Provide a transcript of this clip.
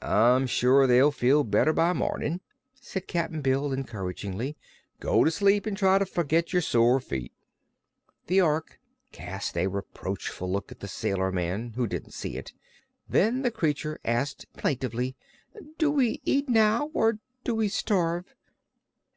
"I'm sure they'll feel better by mornin'," said Cap'n Bill, encouragingly. "Go to sleep an' try to forget your sore feet." The Ork cast a reproachful look at the sailor man, who didn't see it. Then the creature asked plaintively: "Do we eat now, or do we starve?"